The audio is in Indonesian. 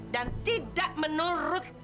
dan tidak menurut